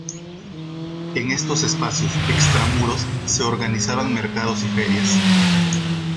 En estos espacios extramuros se organizaban mercados y ferias.